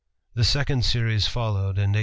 The second series followed in 1876.